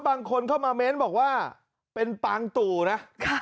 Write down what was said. บางคนเข้ามาเม้นบอกว่าเป็นปางตู่นะ